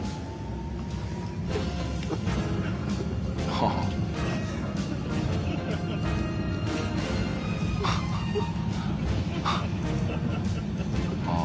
はあ？ああ。